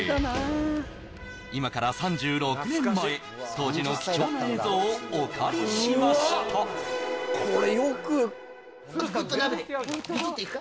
今から３６年前当時の貴重な映像をお借りしましたぐっと鍋ぐぐっといくか？